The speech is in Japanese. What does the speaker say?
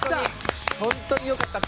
本当に良かった。